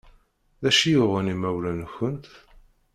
D acu i yuɣen imawlan-nkent?